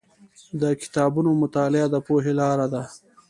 د کتابونو مطالعه د پوهې لاره ده.